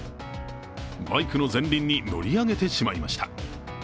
バイクの前輪に乗り上げてしまいました。